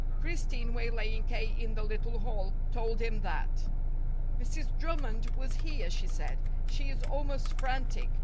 Christine, waylaying K. in the little hall, told him that. "Mrs. Drummond was here," she said. "She is almost frantic.